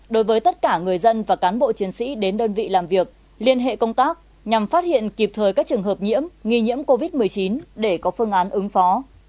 đối với tất cả người dân và cán bộ chiến sĩ đến đơn vị làm việc liên hệ công tác nhằm phát hiện kịp thời các trường hợp nhiễm nghi nhiễm covid một mươi chín để có phương án ứng phó